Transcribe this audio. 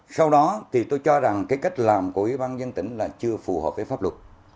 sau đó thì tôi cho rằng cái cách làm của ủy ban dân tỉnh là chưa phù hợp với pháp luật